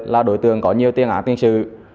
là đối tượng có nhiều tiền án tiền sự